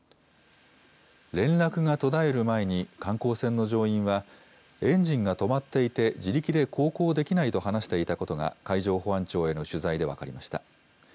連絡が途絶える前に、観光船の乗員は、エンジンが止まっていて、自力で航行できないと話していたことが、海上保安庁への取材で分かりました。